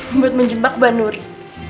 untuk menjebak banuri